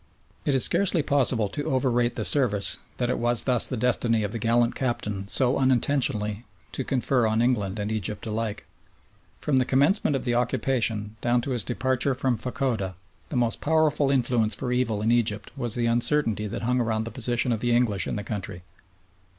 It is scarcely possible to overrate the service that it was thus the destiny of the gallant captain so unintentionally to confer on England and Egypt alike. From the commencement of the occupation down to his departure from Fachoda, the most powerful influence for evil in Egypt was the uncertainty that hung around the position of the English in the country.